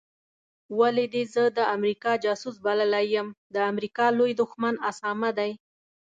ولي دي زه د امریکا جاسوس بللی یم د امریکا لوی دښمن اسامه دی